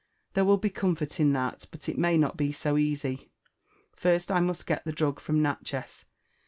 There will be comfort in that, but it may not bo so easy,*— first, I must get the drug from Natchez.